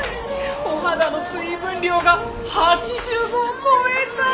お肌の水分量が８５を超えたわ！